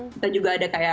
kita juga ada kayak